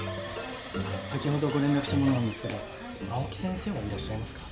先ほどご連絡した者なんですけど青木先生はいらっしゃいますか？